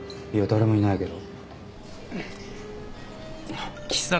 誰もいないけど。